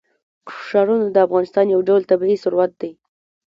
ښارونه د افغانستان یو ډول طبعي ثروت دی.